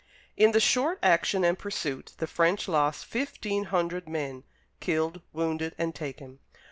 In the short action and pursuit the French lost fifteen hundred men, killed, wounded, and taken.